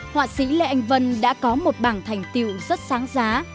họa sĩ lê anh vân đã có một bảng thành tiệu rất sáng giá